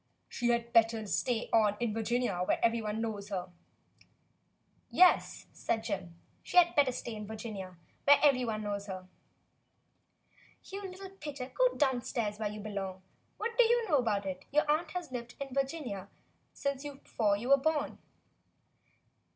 ^" "She had certainly better stay on in Virginia, where every one knows her," he said. "Yes," said Jim, "she had better stay in Virginia, where every one knows her." "You little pitcher, go downstairs where you be long. What do you know about it? Your aunt has lived in Virginia since before you were born."